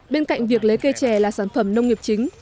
bên cạnh việc lấy cây chè là sản phẩm nông nghiệp chính